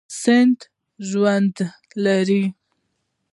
سیند ژوند لري.